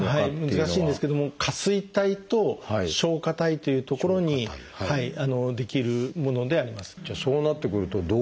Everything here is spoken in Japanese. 難しいんですけども下垂体と松果体という所に出来るものであります。